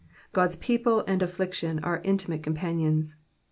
God's people and affliction are intimate companions.